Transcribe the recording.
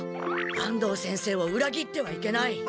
安藤先生を裏切ってはいけない。